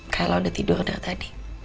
kalau udah tidur udah tadi